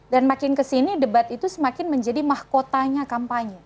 dan makin kesini debat itu semakin menjadi mahkotanya kampanye